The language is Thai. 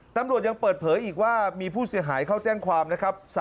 ตำรวจยังเปิดเผยอีกว่ามีผู้เสียหายเข้าแจ้งความนะครับ